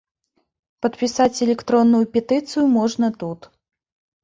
Падпісаць электронную петыцыю можна тут.